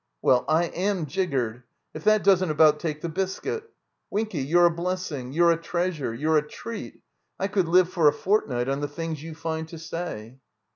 "Well, I am jiggered! If that doesn't about take the biscuit! Winky, you're a blessing, you're a treasure, you're a treat; I could live for a fortnight on the things you find to say."